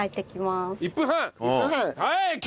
はい！